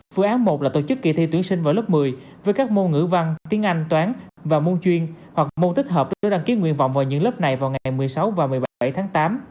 phương án một là tổ chức kỳ thi tuyển sinh vào lớp một mươi với các môn ngữ văn tiếng anh toán và môn chuyên hoặc môn tích hợp nếu đăng ký nguyện vọng vào những lớp này vào ngày một mươi sáu và một mươi bảy tháng tám